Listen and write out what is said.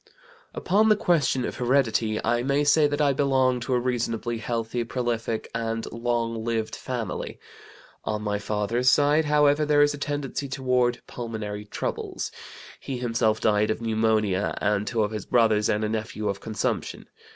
"Upon the question of heredity I may say that I belong to a reasonably healthy, prolific, and long lived family. On my father's side, however, there is a tendency toward pulmonary troubles. He himself died of pneumonia, and two of his brothers and a nephew of consumption.